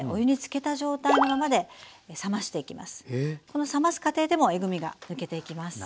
この冷ます過程でもえぐみが抜けていきます。